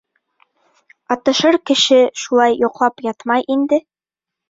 Атышыр кеше шулай йоҡлап ятмай инде.